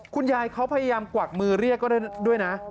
คุณยายเขาพยายามกวักมือเรียกก็ด้วยนะ